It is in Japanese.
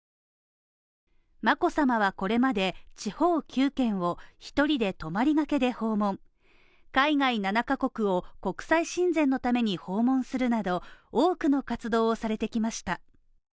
眞子さまはこれまで地方９県を１人で泊まりがけで訪問海外７カ国を国際親善のために訪問するなど、多くの活動をされてきました。